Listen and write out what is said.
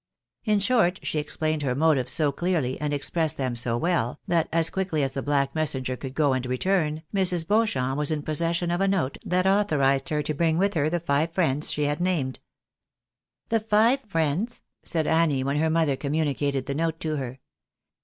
" In short, she explained her motives so clearly, and expressed them so well, that as quickly as the black messenger could go and return, Mrs. Beauchamp was in possession of a note that authorised her to bring with her the five friends she had named. " The five friends? " said Annie, when her mother communicated the note to her.